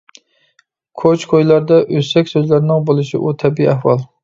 كوچا-كويلاردا ئۆسەك سۆزلەرنىڭ بولۇشى ئۇ تەبىئىي ئەھۋال.